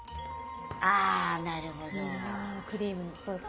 あなるほど。